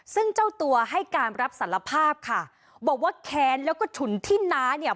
ซึ่งเจ้าตัวให้การรับสารภาพค่ะบอกว่าแค้นแล้วก็ฉุนที่น้าเนี่ย